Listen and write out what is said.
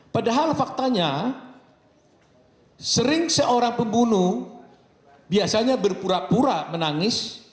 padahal faktanya sering seorang pembunuh biasanya berpura pura menangis